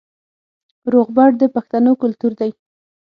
روغبړ د پښتنو کلتور دی